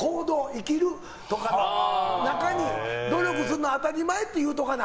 生きるとかの中に努力するのは当たり前って言うとかな。